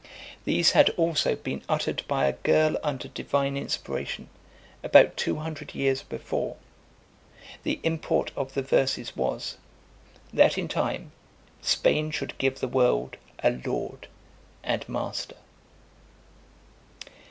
These had also been uttered by a girl under divine inspiration, about two hundred years before. The import of the verses was, "That in time, Spain should give the world a lord and master."